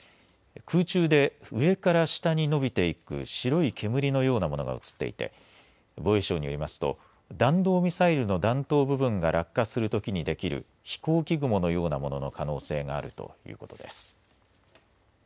空中で上から下に伸びていく白い煙のようなものが映ってていて防衛省によりますと弾道ミサイルの弾頭部分が落下するときにできる飛行機雲のようなものの可能性があるということです。